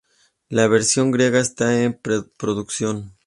La versión griega está en preproducción.